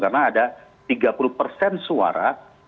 karena ada tiga puluh suara